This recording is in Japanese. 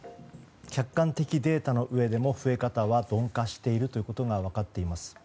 客観的データの上でも増え方が鈍化していることが分かっています。